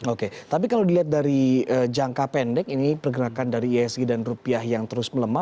oke tapi kalau dilihat dari jangka pendek ini pergerakan dari isg dan rupiah yang terus melemah